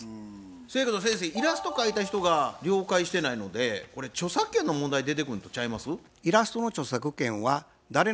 せやけど先生イラスト描いた人が了解してないのでこれ著作権の問題出てくるんとちゃいます？